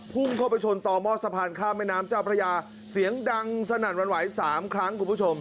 พุ่งเข้าไปชนต่อหม้อสะพานข้ามแม่น้ำเจ้าพระยาเสียงดังสนั่นวันไหว๓ครั้งคุณผู้ชม